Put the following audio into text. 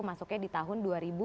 masuknya di tahun dua ribu dua puluh